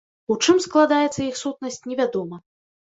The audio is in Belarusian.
У чым складаецца іх сутнасць, невядома.